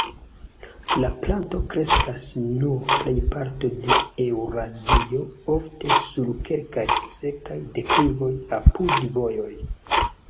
La planto kreskas sur plejparto de Eŭrazio, ofte sur kalkaj, sekaj deklivoj, apud vojoj.